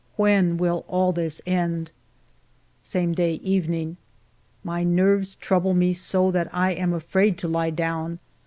When will all this end ? Same day, evening. My nerves trouble me so that I am afraid to lie down.